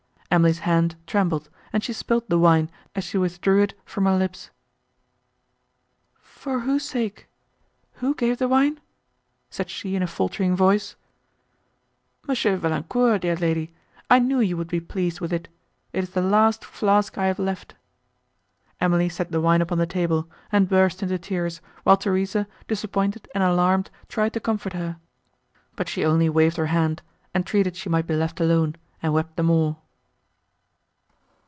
Emily's hand trembled, and she spilt the wine as she withdrew it from her lips. "For whose sake!—who gave the wine?" said she in a faltering voice. "M. Valancourt, dear lady. I knew you would be pleased with it. It is the last flask I have left." Emily set the wine upon the table, and burst into tears, while Theresa, disappointed and alarmed, tried to comfort her; but she only waved her hand, entreated she might be left alone, and wept the more.